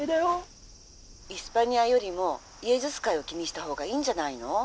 「イスパニアよりもイエズス会を気にしたほうがいいんじゃないの？